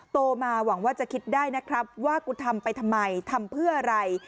โตมาหวังว่าจะคิดได้นะครับว่ากูทำไปทำไมทำเพื่ออะไร